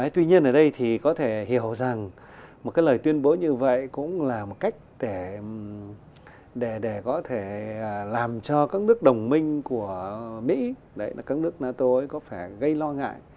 tuy nhiên ở đây thì có thể hiểu rằng một cái lời tuyên bố như vậy cũng là một cách để có thể làm cho các nước đồng minh của mỹ các nước nato ấy có phải gây lo ngại